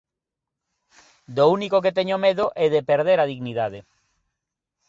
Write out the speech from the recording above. Do único do que teño medo é de perder a dignidade.